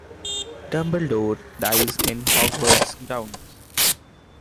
Dumbledore dies in Hogwarts' grounds.